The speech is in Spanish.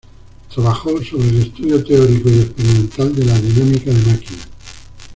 Trabajó sobre el estudio teórico y experimental de la Dinámica de máquinas.